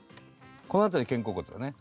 この辺り肩甲骨だね？